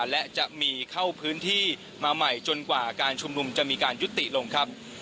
และจะมีเข้าพื้นที่มาใหม่จนกว่าการชุมนุมจะมีการยุติลงครับ